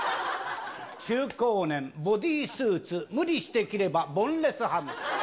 中高年、ボディースーツ、無理して着ればボンレスハム。